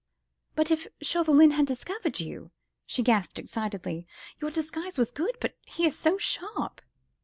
"But if Chauvelin had discovered you," she gasped excitedly, "your disguise was good ... but he is so sharp."